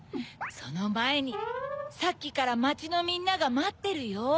そのまえにさっきからまちのみんながまってるよ。